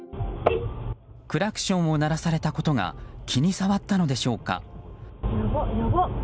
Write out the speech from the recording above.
クラクションを鳴らされたことが気に障ったのでしょうか。